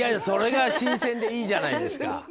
それが新鮮でいいじゃないですか。